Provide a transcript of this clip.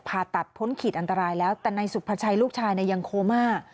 ผ่าตัดพ้นขีดอันตรายแล้วแต่นายสุภาชัยลูกชายยังโคม่า